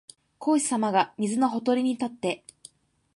孔子さまが水のほとりに立って、